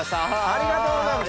ありがとうございます！